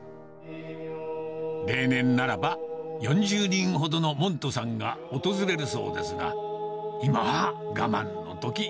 例年ならば、４０人ほどの門徒さんが訪れるそうですが、今は我慢のとき。